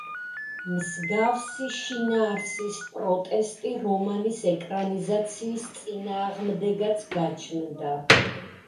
მსგავსი შინაარსის პროტესტი რომანის ეკრანიზაციის წინააღმდეგაც გაჩნდა.